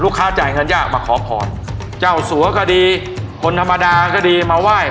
จ่ายเงินยากมาขอพรเจ้าสัวก็ดีคนธรรมดาก็ดีมาไหว้